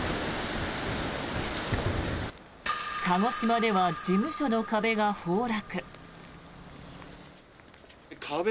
鹿児島では事務所の壁が崩落。